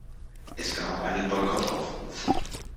Es gab einen Boykottaufruf.